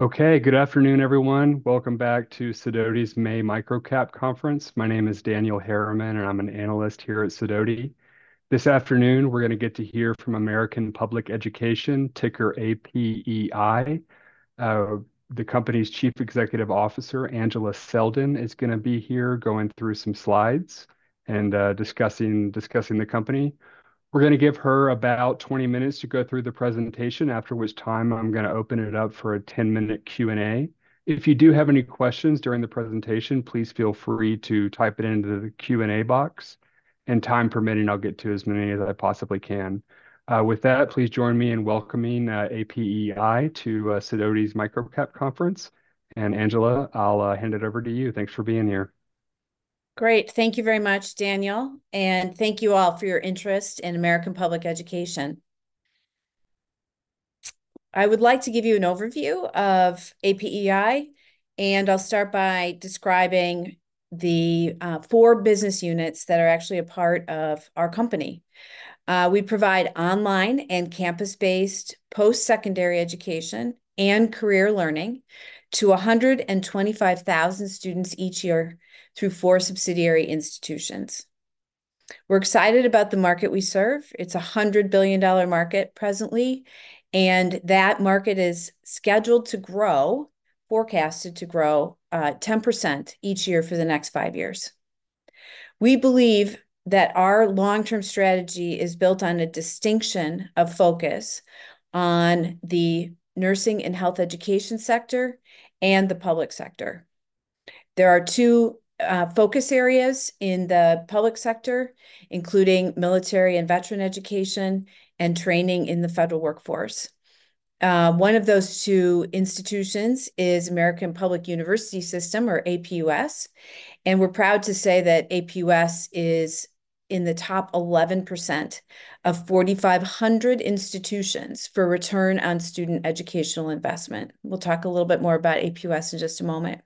Okay, good afternoon, everyone. Welcome back to Sidoti's May MicroCap Conference. My name is Daniel Harriman, and I'm an analyst here at Sidoti. This afternoon, we're gonna get to hear from American Public Education, ticker APEI. The company's Chief Executive Officer, Angela Selden, is gonna be here going through some slides and, discussing, discussing the company. We're gonna give her about 20 minutes to go through the presentation, after which time I'm gonna open it up for a 10-minute Q&A. If you do have any questions during the presentation, please feel free to type it into the Q&A box, and time permitting, I'll get to as many as I possibly can. With that, please join me in welcoming APEI to Sidoti's MicroCap Conference. And Angela, I'll hand it over to you. Thanks for being here. Great. Thank you very much, Daniel, and thank you all for your interest in American Public Education. I would like to give you an overview of APEI, and I'll start by describing the four business units that are actually a part of our company. We provide online and campus-based post-secondary education and career learning to 125,000 students each year through four subsidiary institutions. We're excited about the market we serve. It's a $100 billion market presently, and that market is scheduled to grow, forecasted to grow, 10% each year for the next five years. We believe that our long-term strategy is built on a distinction of focus on the nursing and health education sector and the public sector. There are two focus areas in the public sector, including military and veteran education and training in the federal workforce. One of those two institutions is American Public University System, or APUS, and we're proud to say that APUS is in the top 11% of 4,500 institutions for return on student educational investment. We'll talk a little bit more about APUS in just a moment.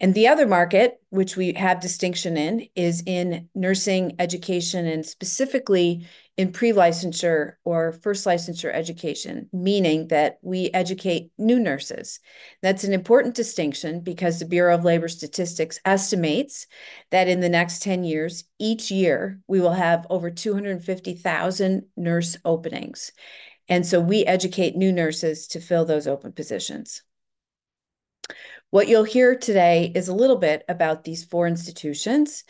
The other market, which we have distinction in, is in nursing education, and specifically in pre-licensure or first licensure education, meaning that we educate new nurses. That's an important distinction because the Bureau of Labor Statistics estimates that in the next 10 years, each year, we will have over 250,000 nurse openings, and so we educate new nurses to fill those open positions. What you'll hear today is a little bit about these four institutions,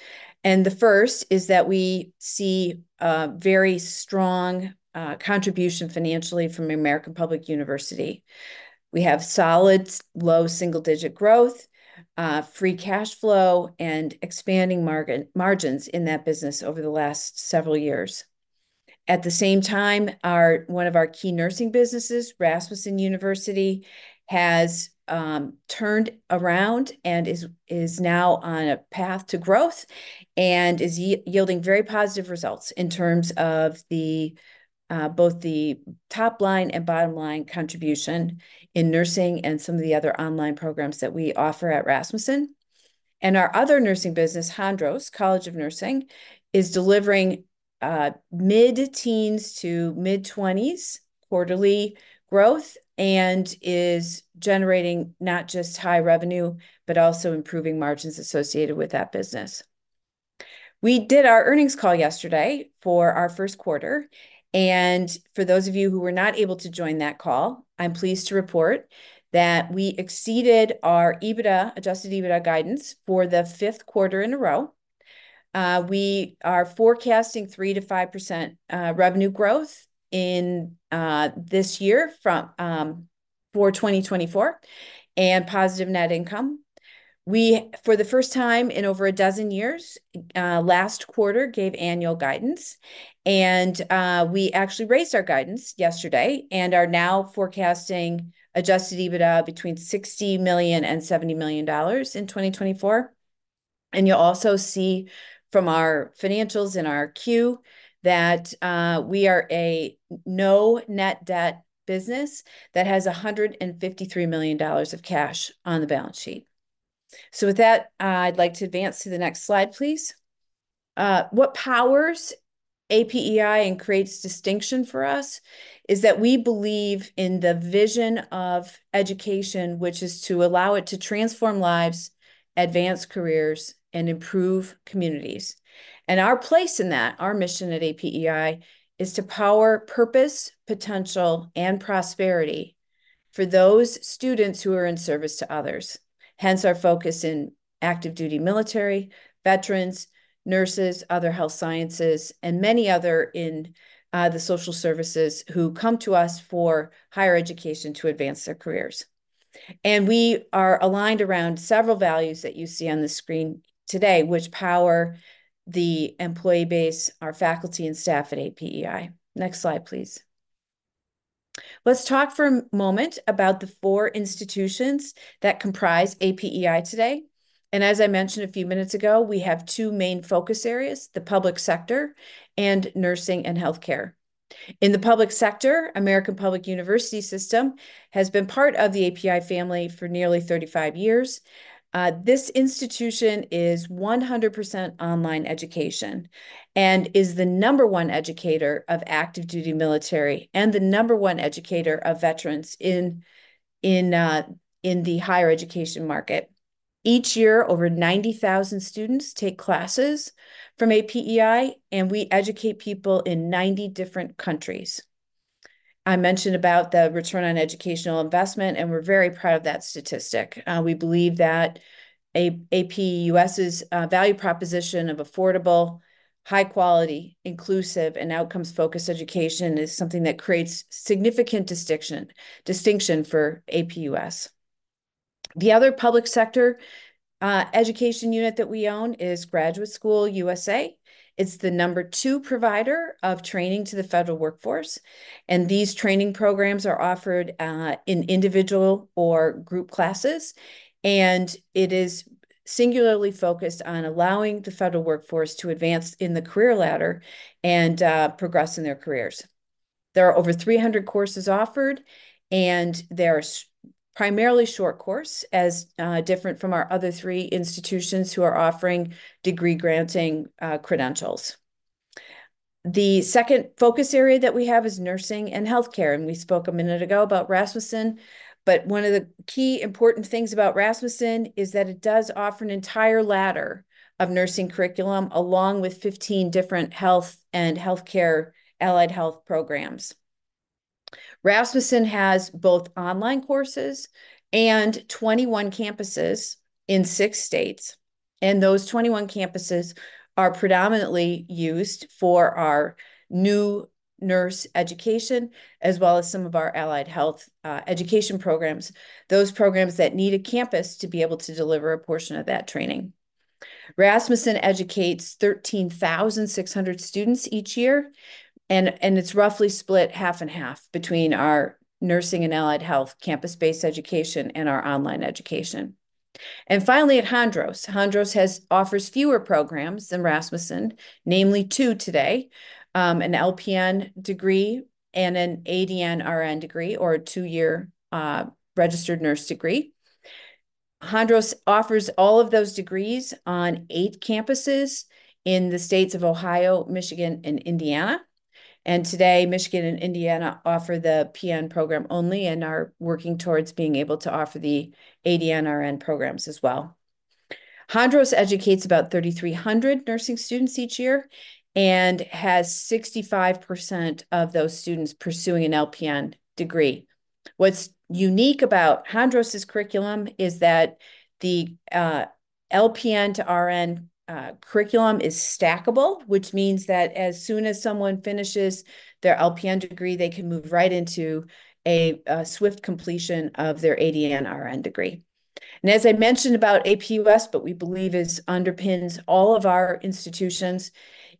and the first is that we see a very strong contribution financially from American Public University. We have solid, low double-digit growth, free cash flow, and expanding margins in that business over the last several years. At the same time, our one of our key nursing businesses, Rasmussen University, has turned around and is now on a path to growth and is yielding very positive results in terms of both the top line and bottom line contribution in nursing and some of the other online programs that we offer at Rasmussen. And our other nursing business, Hondros College of Nursing, is delivering mid-teens to mid-twenties quarterly growth and is generating not just high revenue, but also improving margins associated with that business. We did our earnings call yesterday for our first quarter, and for those of you who were not able to join that call, I'm pleased to report that we exceeded our EBITDA, Adjusted EBITDA guidance for the fifth quarter in a row. We are forecasting 3%-5% revenue growth in this year for 2024, and positive net income. We, for the first time in over a dozen years, last quarter, gave annual guidance and we actually raised our guidance yesterday and are now forecasting Adjusted EBITDA between $60 million and $70 million in 2024. And you'll also see from our financials in our Q that we are a no net debt business that has $153 million of cash on the balance sheet. So with that, I'd like to advance to the next slide, please. What powers APEI and creates distinction for us is that we believe in the vision of education, which is to allow it to transform lives, advance careers, and improve communities. And our place in that, our mission at APEI, is to power purpose, potential, and prosperity for those students who are in service to others, hence our focus in active duty military, veterans, nurses, other health sciences, and many other in the social services who come to us for higher education to advance their careers. And we are aligned around several values that you see on the screen today, which power the employee base, our faculty and staff at APEI. Next slide, please. Let's talk for a moment about the four institutions that comprise APEI today. As I mentioned a few minutes ago, we have two main focus areas: the public sector and nursing and healthcare. In the public sector, American Public University System has been part of the APEI family for nearly 35 years. This institution is 100% online education and is the number one educator of active duty military and the number one educator of veterans in the higher education market. Each year, over 90,000 students take classes from APEI, and we educate people in 90 different countries. I mentioned about the return on educational investment, and we're very proud of that statistic. We believe that APUS's value proposition of affordable, high quality, inclusive, and outcomes-focused education is something that creates significant distinction for APUS. The other public sector education unit that we own is Graduate School USA. It's the number 2 provider of training to the federal workforce, and these training programs are offered in individual or group classes, and it is singularly focused on allowing the federal workforce to advance in the career ladder and progress in their careers. There are over 300 courses offered, and they're primarily short course, as different from our other three institutions who are offering degree-granting credentials. The second focus area that we have is nursing and healthcare, and we spoke a minute ago about Rasmussen, but one of the key important things about Rasmussen is that it does offer an entire ladder of nursing curriculum, along with 15 different health and healthcare allied health programs. Rasmussen has both online courses and 21 campuses in six states, and those 21 campuses are predominantly used for our new nurse education, as well as some of our allied health, education programs, those programs that need a campus to be able to deliver a portion of that training. Rasmussen educates 13,600 students each year, and it's roughly split half and half between our nursing and allied health campus-based education and our online education. Finally, at Hondros, Hondros offers fewer programs than Rasmussen, namely two today, an LPN degree and an ADN-RN degree, or a two-year registered nurse degree. Hondros offers all of those degrees on eight campuses in the states of Ohio, Michigan, and Indiana, and today, Michigan and Indiana offer the PN program only and are working towards being able to offer the ADN-RN programs as well. Hondros educates about 3,300 nursing students each year and has 65% of those students pursuing an LPN degree. What's unique about Hondros's curriculum is that the LPN to RN curriculum is stackable, which means that as soon as someone finishes their LPN degree, they can move right into a swift completion of their ADN-RN degree. As I mentioned about APUS, but we believe it underpins all of our institutions,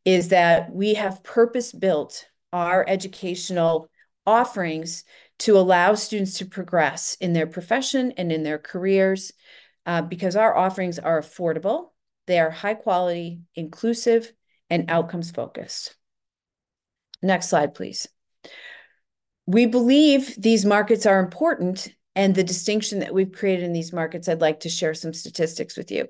is that we have purpose-built our educational offerings to allow students to progress in their profession and in their careers, because our offerings are affordable, they are high quality, inclusive, and outcomes focused. Next slide, please. We believe these markets are important, and the distinction that we've created in these markets, I'd like to share some statistics with you.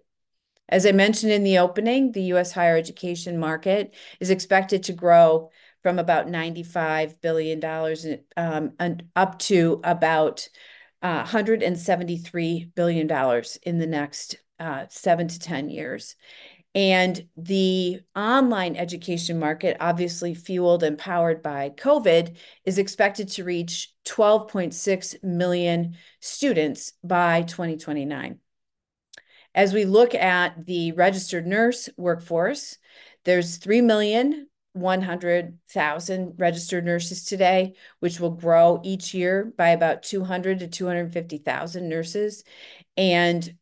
As I mentioned in the opening, the U.S. higher education market is expected to grow from about $95 billion and up to about $173 billion in the next 7-10 years. And the online education market, obviously fueled and powered by COVID, is expected to reach 12.6 million students by 2029. As we look at the registered nurse workforce, there's 3,100,000 registered nurses today, which will grow each year by about 200,000-250,000 nurses, and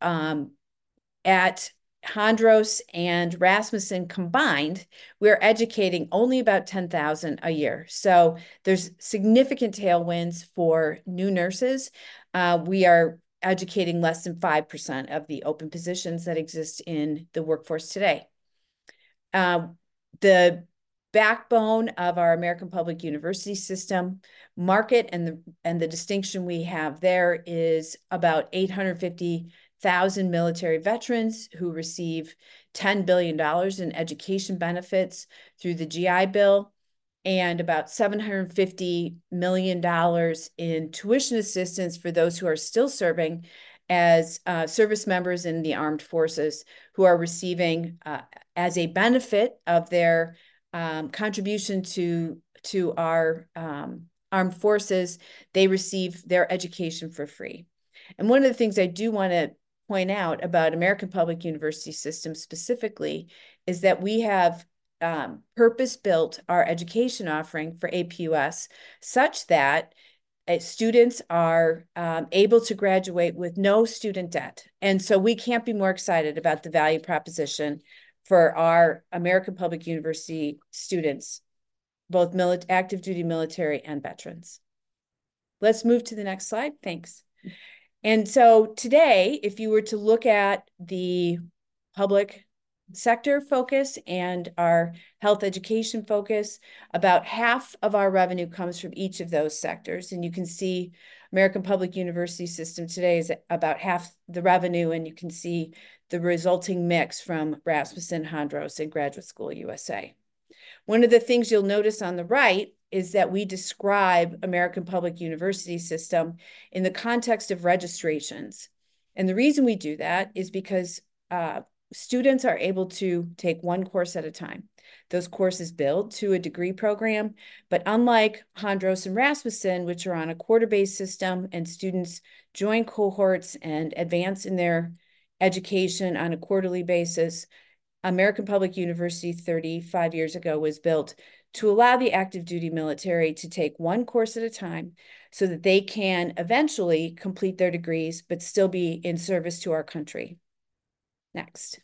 at Hondros and Rasmussen combined, we're educating only about 10,000 a year. So there's significant tailwinds for new nurses. We are educating less than 5% of the open positions that exist in the workforce today. The backbone of our American Public University System market and the distinction we have there is about 850,000 military veterans who receive $10 billion in education benefits through the GI Bill, and about $750 million in tuition assistance for those who are still serving as service members in the armed forces, who are receiving as a benefit of their contribution to our armed forces, they receive their education for free. And one of the things I do wanna point out about American Public University System specifically is that we have purpose-built our education offering for APUS such that students are able to graduate with no student debt, and so we can't be more excited about the value proposition for our American Public University students, both active duty military and veterans. Let's move to the next slide. Thanks. And so today, if you were to look at the public sector focus and our health education focus, about half of our revenue comes from each of those sectors, and you can see American Public University System today is about half the revenue, and you can see the resulting mix from Rasmussen, Hondros, and Graduate School USA. One of the things you'll notice on the right is that we describe American Public University System in the context of registrations, and the reason we do that is because students are able to take one course at a time. Those courses build to a degree program, but unlike Hondros and Rasmussen, which are on a quarter-based system, and students join cohorts and advance in their education on a quarterly basis, American Public University, 35 years ago, was built to allow the active duty military to take one course at a time, so that they can eventually complete their degrees, but still be in service to our country. Next.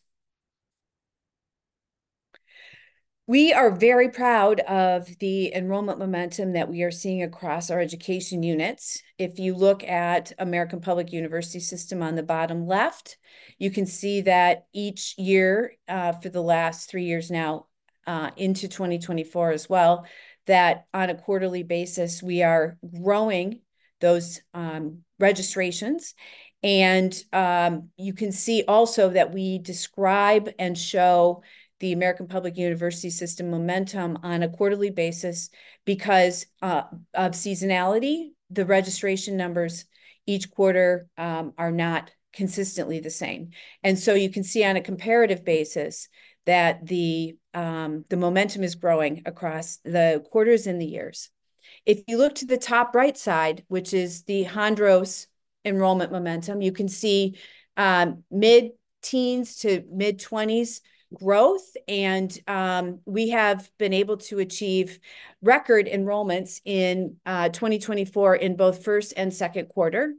We are very proud of the enrollment momentum that we are seeing across our education units. If you look at American Public University System on the bottom left, you can see that each year, for the last three years now, into 2024 as well, that on a quarterly basis, we are growing those registrations. You can see also that we describe and show the American Public University System momentum on a quarterly basis because of seasonality. The registration numbers each quarter are not consistently the same. And so you can see on a comparative basis, that the momentum is growing across the quarters and the years. If you look to the top right side, which is the Hondros enrollment momentum, you can see mid-teens to mid-twenties growth, and we have been able to achieve record enrollments in 2024, in both first and second quarter.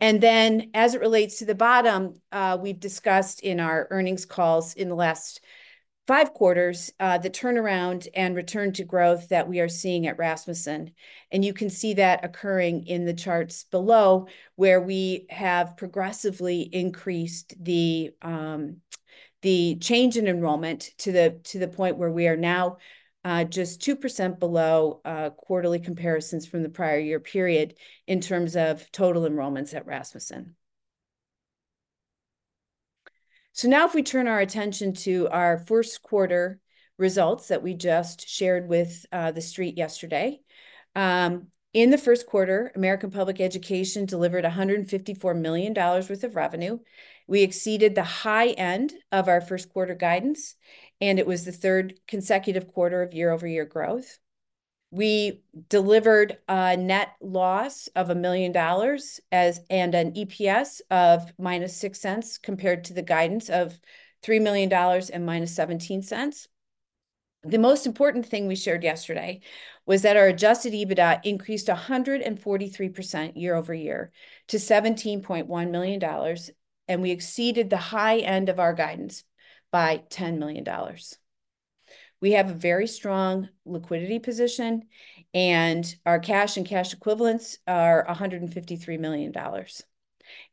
And then, as it relates to the bottom, we've discussed in our earnings calls in the last five quarters, the turnaround and return to growth that we are seeing at Rasmussen. You can see that occurring in the charts below, where we have progressively increased the change in enrollment to the point where we are now just 2% below quarterly comparisons from the prior year period in terms of total enrollments at Rasmussen. Now if we turn our attention to our first quarter results that we just shared with the street yesterday. In the first quarter, American Public Education delivered $154 million worth of revenue. We exceeded the high end of our first quarter guidance, and it was the third consecutive quarter of year-over-year growth. We delivered a net loss of $1 million and an EPS of -$0.06, compared to the guidance of $3 million and -$0.17. The most important thing we shared yesterday was that our adjusted EBITDA increased 143% year-over-year to $17.1 million, and we exceeded the high end of our guidance by $10 million. We have a very strong liquidity position, and our cash and cash equivalents are $153 million.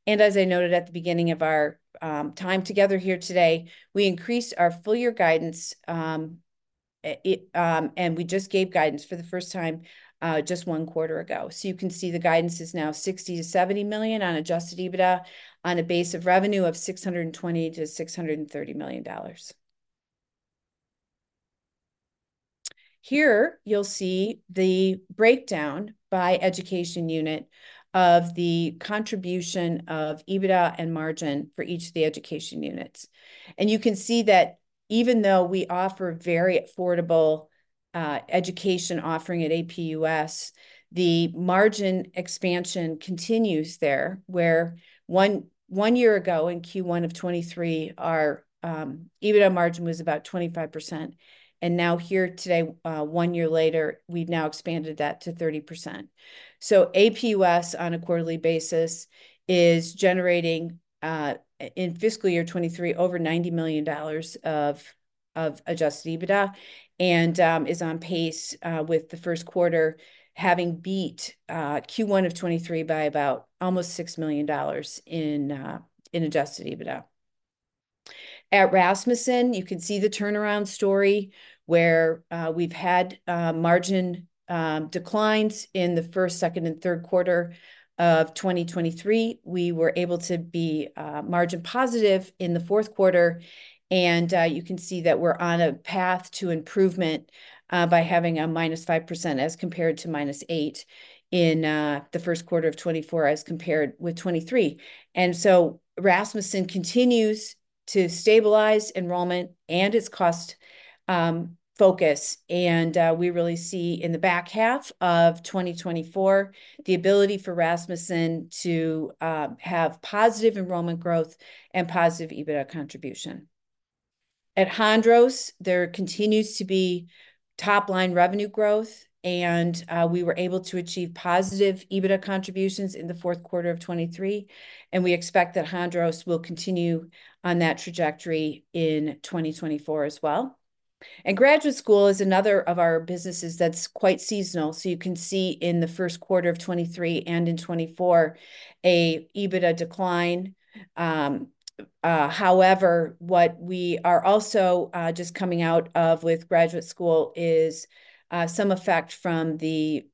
As I noted at the beginning of our time together here today, we increased our full year guidance, and we just gave guidance for the first time just one quarter ago. You can see the guidance is now $60 million-$70 million on adjusted EBITDA, on a base of revenue of $620 million-$630 million. Here, you'll see the breakdown by education unit of the contribution of EBITDA and margin for each of the education units. And you can see that even though we offer very affordable education offering at APUS, the margin expansion continues there, where one year ago, in Q1 of 2023, our EBITDA margin was about 25%, and now here today, one year later, we've now expanded that to 30%. So APUS, on a quarterly basis, is generating in fiscal year 2023, over $90 million of adjusted EBITDA and is on pace with the first quarter, having beat Q1 of 2023 by about almost $6 million in adjusted EBITDA. At Rasmussen, you can see the turnaround story, where we've had margin declines in the first, second, and third quarter of 2023. We were able to be margin positive in the fourth quarter, and you can see that we're on a path to improvement by having a -5% as compared to -8% in the first quarter of 2024, as compared with 2023. And so Rasmussen continues to stabilize enrollment and its cost focus, and we really see in the back half of 2024, the ability for Rasmussen to have positive enrollment growth and positive EBITDA contribution. At Hondros, there continues to be top-line revenue growth, and we were able to achieve positive EBITDA contributions in the fourth quarter of 2023, and we expect that Hondros will continue on that trajectory in 2024 as well. And graduate school is another of our businesses that's quite seasonal, so you can see in the first quarter of 2023 and in 2024, a EBITDA decline. However, what we are also just coming out of with graduate school is some effect from the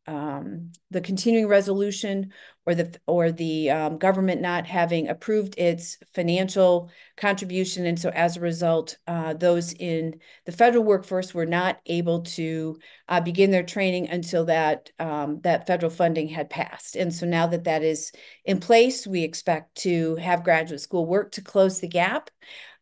continuing resolution or the government not having approved its financial contribution. And so as a result, those in the federal workforce were not able to begin their training until that federal funding had passed. And so now that that is in place, we expect to have graduate school work to close the gap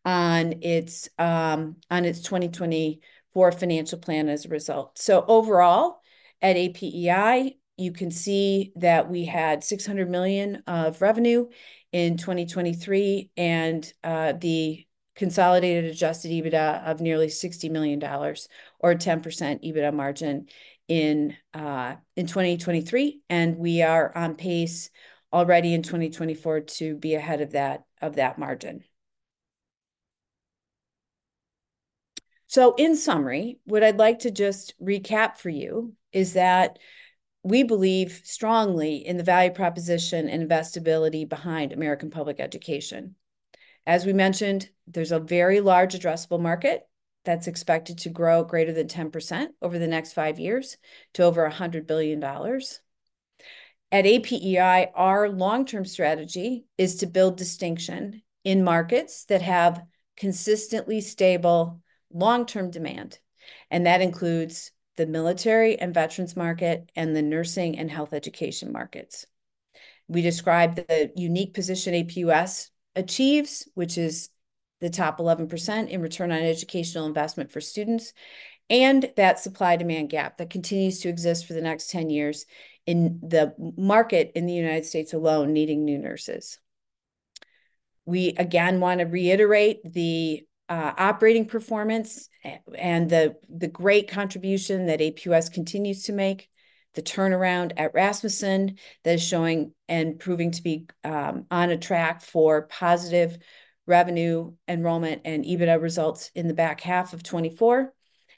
on its 2024 financial plan as a result. So overall, at APEI, you can see that we had $600 million of revenue in 2023, and the consolidated Adjusted EBITDA of nearly $60 million, or 10% EBITDA margin in 2023, and we are on pace already in 2024 to be ahead of that margin. So in summary, what I'd like to just recap for you is that we believe strongly in the value proposition and investibility behind American Public Education. As we mentioned, there's a very large addressable market that's expected to grow greater than 10% over the next five years to over $100 billion. At APEI, our long-term strategy is to build distinction in markets that have consistently stable long-term demand, and that includes the military and veterans market, and the nursing and health education markets. We described the unique position APUS achieves, which is the top 11% in return on educational investment for students, and that supply-demand gap that continues to exist for the next 10 years in the market in the United States alone, needing new nurses. We, again, wanna reiterate the operating performance and the great contribution that APUS continues to make, the turnaround at Rasmussen that is showing and proving to be on a track for positive revenue, enrollment, and EBITDA results in the back half of 2024.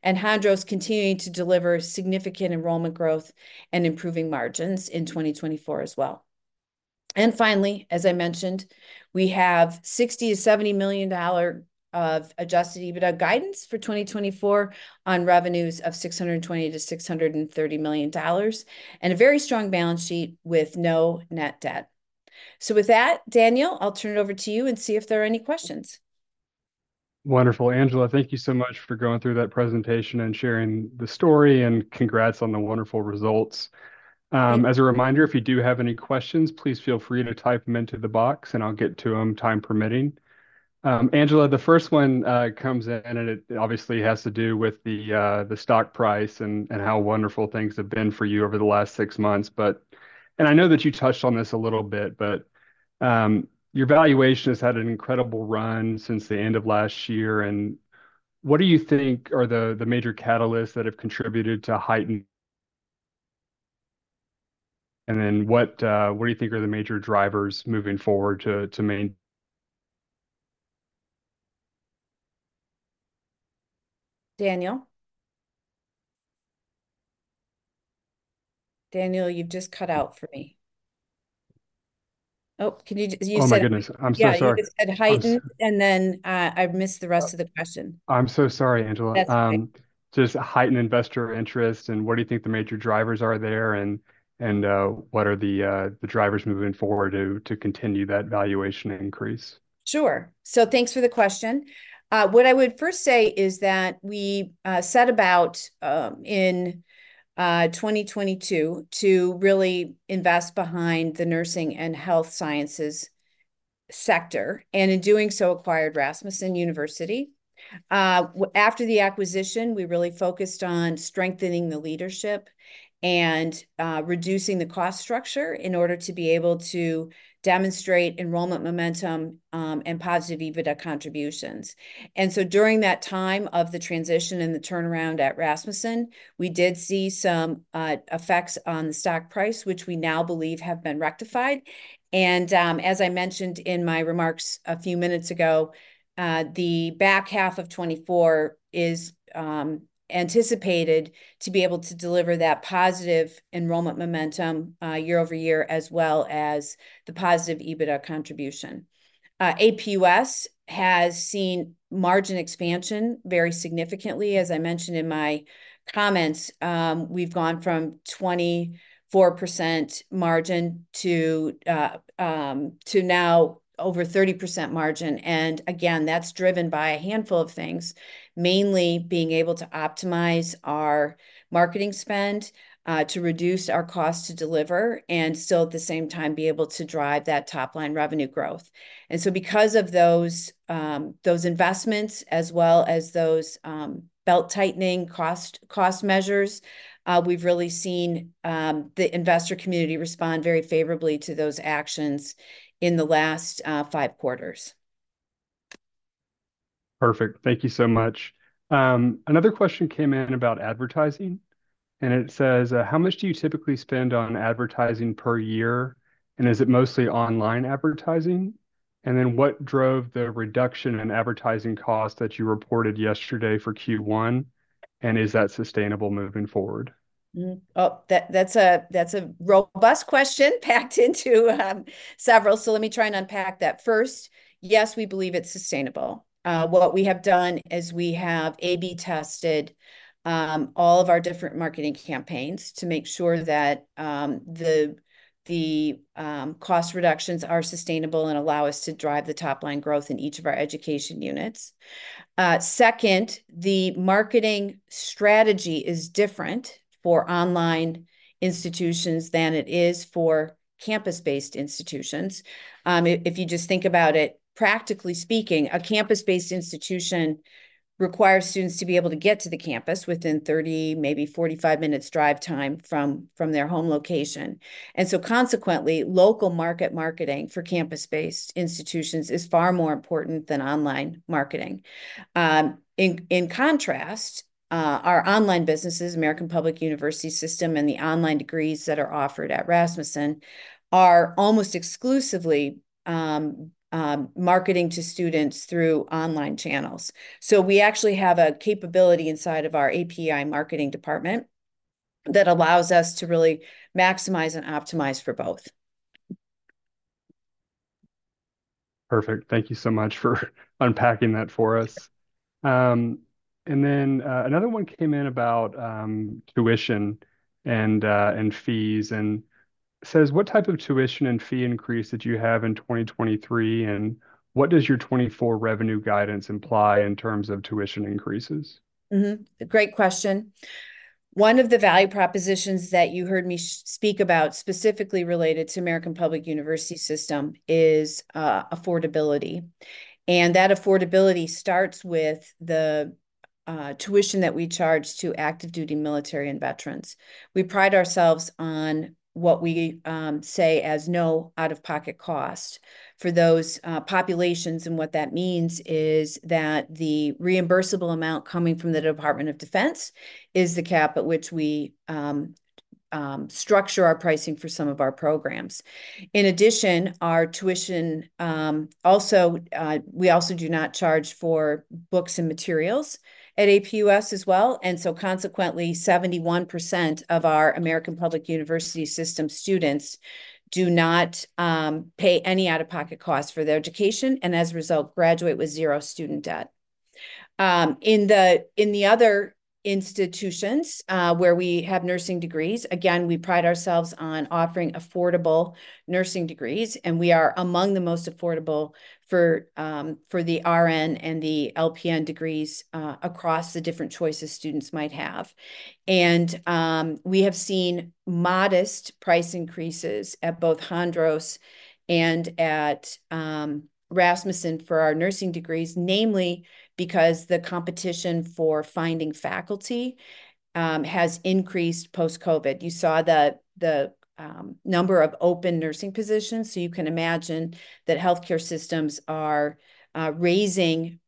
And Hondros continuing to deliver significant enrollment growth and improving margins in 2024 as well. And finally, as I mentioned, we have $60 million-$70 million of Adjusted EBITDA guidance for 2024 on revenues of $620 million-$630 million, and a very strong balance sheet with no net debt. So with that, Daniel, I'll turn it over to you and see if there are any questions. Wonderful, Angela, thank you so much for going through that presentation and sharing the story, and congrats on the wonderful results. As a reminder, if you do have any questions, please feel free to type them into the box, and I'll get to them, time permitting. Angela, the first one comes in, and it obviously has to do with the stock price and how wonderful things have been for you over the last six months. But... And I know that you touched on this a little bit, but your valuation has had an incredible run since the end of last year, and what do you think are the major catalysts that have contributed to heightened? And then, what do you think are the major drivers moving forward to main- Daniel? Daniel, you've just cut out for me. Oh, can you—you said— Oh, my goodness. I'm so sorry. Yeah, you said heightened, and then, I missed the rest of the question. I'm so sorry, Angela. That's fine. Just heightened investor interest, and what do you think the major drivers are there, and what are the drivers moving forward to continue that valuation increase? Sure. So thanks for the question. What I would first say is that we set about in 2022 to really invest behind the nursing and health sciences sector, and in doing so, acquired Rasmussen University. After the acquisition, we really focused on strengthening the leadership and reducing the cost structure in order to be able to demonstrate enrollment momentum and positive EBITDA contributions. And so during that time of the transition and the turnaround at Rasmussen, we did see some effects on the stock price, which we now believe have been rectified. And as I mentioned in my remarks a few minutes ago, the back half of 2024 is anticipated to be able to deliver that positive enrollment momentum year-over-year, as well as the positive EBITDA contribution. APUS has seen margin expansion very significantly. As I mentioned in my comments, we've gone from 24% margin to now over 30% margin, and again, that's driven by a handful of things. Mainly, being able to optimize our marketing spend to reduce our cost to deliver, and still at the same time, be able to drive that top-line revenue growth. And so because of those those investments, as well as those belt-tightening cost measures, we've really seen the investor community respond very favorably to those actions in the last five quarters. Perfect. Thank you so much. Another question came in about advertising... and it says, "How much do you typically spend on advertising per year, and is it mostly online advertising? And then what drove the reduction in advertising costs that you reported yesterday for Q1, and is that sustainable moving forward? Mm-hmm. Oh, that's a robust question packed into several, so let me try and unpack that. First, yes, we believe it's sustainable. What we have done is we have A/B tested all of our different marketing campaigns to make sure that the cost reductions are sustainable and allow us to drive the top-line growth in each of our education units. Second, the marketing strategy is different for online institutions than it is for campus-based institutions. If you just think about it, practically speaking, a campus-based institution requires students to be able to get to the campus within 30, maybe 45 minutes' drive time from their home location. And so consequently, local market marketing for campus-based institutions is far more important than online marketing. In contrast, our online businesses, American Public University System, and the online degrees that are offered at Rasmussen, are almost exclusively marketing to students through online channels. So we actually have a capability inside of our APEI marketing department that allows us to really maximize and optimize for both. Perfect, thank you so much for unpacking that for us. Sure. And then, another one came in about tuition and fees, and it says, "What type of tuition and fee increase did you have in 2023, and what does your 2024 revenue guidance imply in terms of tuition increases? Mm-hmm, great question. One of the value propositions that you heard me speak about, specifically related to American Public University System, is affordability, and that affordability starts with the tuition that we charge to active-duty military and veterans. We pride ourselves on what we say as no out-of-pocket cost for those populations, and what that means is that the reimbursable amount coming from the Department of Defense is the cap at which we structure our pricing for some of our programs. In addition, our tuition. Also, we also do not charge for books and materials at APUS as well, and so consequently, 71% of our American Public University System students do not pay any out-of-pocket costs for their education, and as a result, graduate with zero student debt. In the other institutions where we have nursing degrees, again, we pride ourselves on offering affordable nursing degrees, and we are among the most affordable for the RN and the LPN degrees across the different choices students might have. We have seen modest price increases at both Hondros and at Rasmussen for our nursing degrees, namely because the competition for finding faculty has increased post-COVID. You saw the number of open nursing positions, so you can imagine that healthcare systems are raising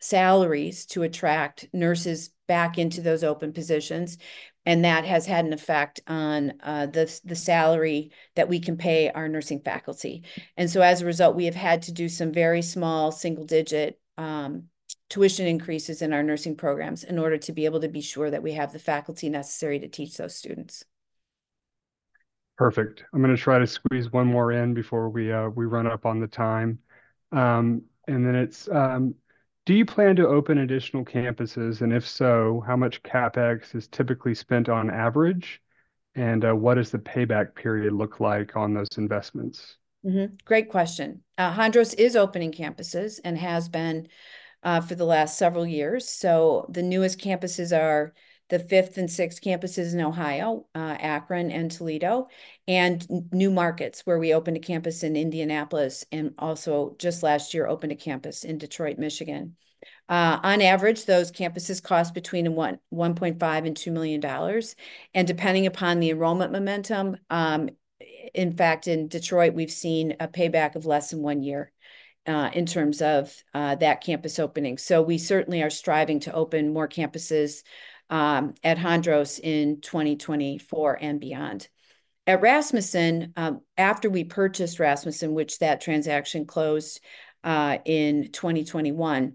salaries to attract nurses back into those open positions, and that has had an effect on the salary that we can pay our nursing faculty. So as a result, we have had to do some very small, single-digit tuition increases in our nursing programs in order to be able to be sure that we have the faculty necessary to teach those students. Perfect. I'm gonna try to squeeze one more in before we run up on the time. And then it's: "Do you plan to open additional campuses, and if so, how much CapEx is typically spent on average, and what does the payback period look like on those investments? Mm-hmm, great question. Hondros is opening campuses and has been for the last several years. So the newest campuses are the fifth and sixth campuses in Ohio, Akron and Toledo, and new markets, where we opened a campus in Indianapolis, and also just last year, opened a campus in Detroit, Michigan. On average, those campuses cost between $1.5 million-$2 million, and depending upon the enrollment momentum, in fact, in Detroit, we've seen a payback of less than one year, in terms of that campus opening. So we certainly are striving to open more campuses at Hondros in 2024 and beyond. At Rasmussen, after we purchased Rasmussen, which that transaction closed in 2021,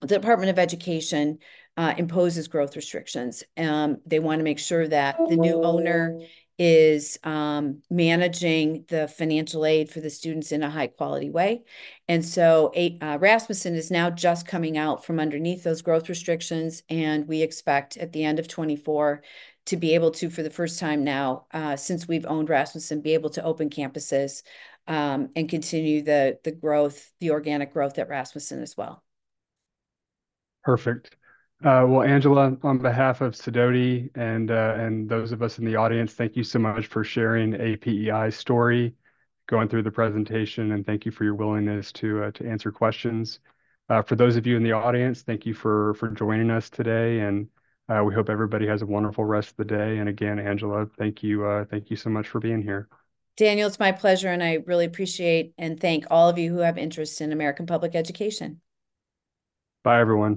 the Department of Education imposes growth restrictions, they wanna make sure that- Oh... the new owner is managing the financial aid for the students in a high-quality way. And so Rasmussen is now just coming out from underneath those growth restrictions, and we expect, at the end of 2024, to be able to, for the first time now, since we've owned Rasmussen, be able to open campuses, and continue the, the growth, the organic growth at Rasmussen as well. Perfect. Well, Angela, on behalf of Sidoti and those of us in the audience, thank you so much for sharing APEI's story, going through the presentation, and thank you for your willingness to answer questions. For those of you in the audience, thank you for joining us today, and we hope everybody has a wonderful rest of the day. Again, Angela, thank you, thank you so much for being here. Daniel, it's my pleasure, and I really appreciate and thank all of you who have interest in American Public Education. Bye, everyone.